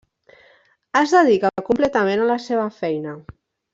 Es dedica completament a la seva feina.